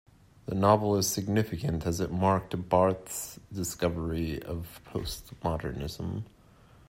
The novel is significant as it marked Barth's discovery of postmodernism.